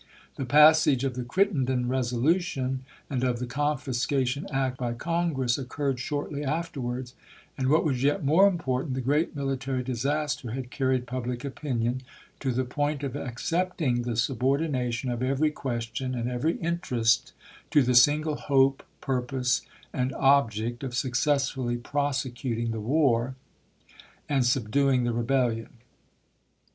The passage of the Crittenden resolution, and of the confiscation act by Congress, occurred shortly af terwards, and what was yet more important, the great military disaster had carried public opinion to the point of accepting the subordination of every question and every interest to the single hope, pur pose, and object of successfully prosecuting the war and subduing the rebellion.